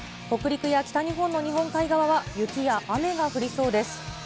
北陸や北日本の日本海側は雪や雨が降りそうです。